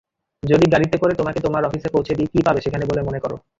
যদি গাড়িতে করে তোমাকে তোমার অফিসে পৌঁছে দেই কী পাবে সেখানে বলে মনে করো?